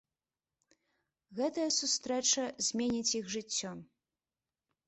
Гэтая сустрэча зменіць іх жыццё.